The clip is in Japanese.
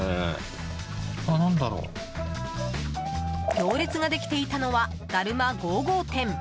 行列ができていたのはだるま５・５店。